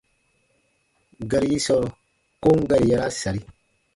Gari yi sɔɔ kom gari yaraa sari.